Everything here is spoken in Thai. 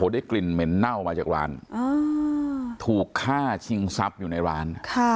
ได้กลิ่นเหม็นเน่ามาจากร้านถูกฆ่าชิงทรัพย์อยู่ในร้าน